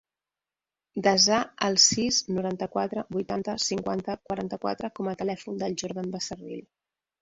Desa el sis, noranta-quatre, vuitanta, cinquanta, quaranta-quatre com a telèfon del Jordan Becerril.